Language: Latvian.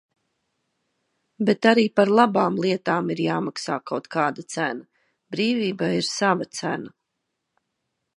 Bet arī par labām lietām ir jāmaksā kaut kāda cena. Brīvībai ir sava cena.